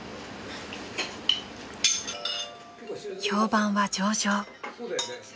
［評判は上々］